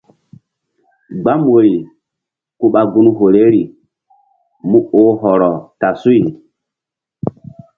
Gbam woyri ku ɓa gun horeri mu oh hɔrɔ ta suy.